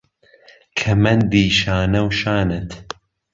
کهمهندی شانه و شانت